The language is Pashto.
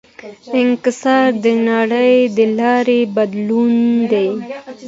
انکسار د رڼا د لارې بدلول دي.